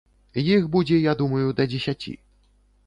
Іх будзе, я думаю, да дзесяці.